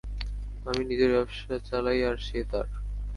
আমি নিজের ব্যবসা চালাই আর সে তার।